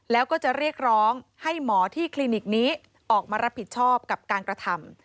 แล้วก็จะเรียกร้องให้หมอที่คลินิกนี้ออกมารับผิดชอบกับการกระทำ